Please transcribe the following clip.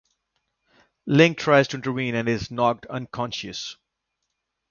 Link tries to intervene and is knocked unconscious.